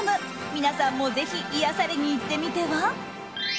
皆さんもぜひ癒やされに行ってみては？